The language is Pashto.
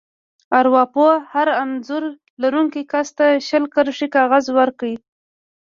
ارواپوه هر انځور لرونکي کس ته شل کرښې کاغذ ورکړ.